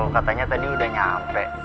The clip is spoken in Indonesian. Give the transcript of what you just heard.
katanya tadi udah nyampe